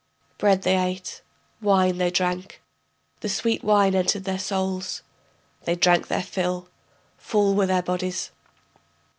Bread they ate, wine they drank, The sweet wine entered their souls, They drank their fill, full were their bodies.